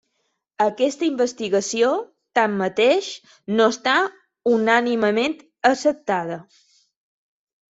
Aquesta investigació, tanmateix, no està unànimement acceptada.